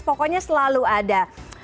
pokoknya selalu ada